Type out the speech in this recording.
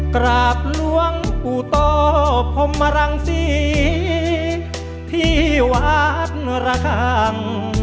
กราบล่วงอุโตพมรังสีที่วาดระคัง